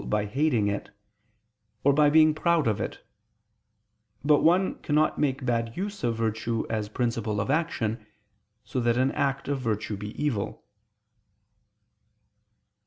by hating it, or by being proud of it: but one cannot make bad use of virtue as principle of action, so that an act of virtue be evil.